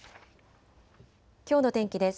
きょうの天気です。